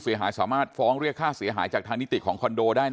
เสียหายสามารถฟ้องเรียกค่าเสียหายจากทางนิติของคอนโดได้